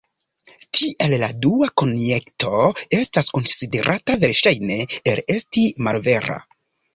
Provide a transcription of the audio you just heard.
Tiel la dua konjekto estas konsiderata verŝajne al esti malvera.